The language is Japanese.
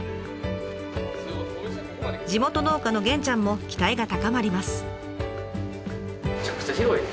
地元農家の元ちゃんも期待が高まります。